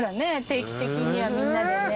定期的にはみんなで。